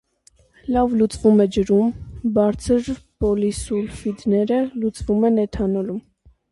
Լավ լուծվում է ջրում, բարձր պոլիսուլֆիդները լուծվում են էթանոլում։